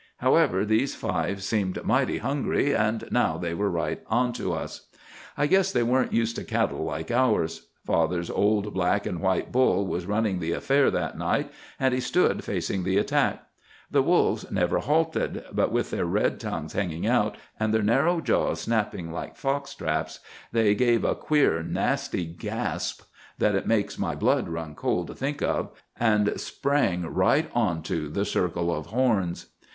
However, these five seemed mighty hungry, and now they were right onto us. "I guess they weren't used to cattle like ours. Father's old black and white bull was running the affair that night, and he stood facing the attack. The wolves never halted; but with their red tongues hanging out, and their narrow jaws snapping like fox traps, they gave a queer, nasty gasp that it makes my blood run cold to think of, and sprang right onto the circle of horns.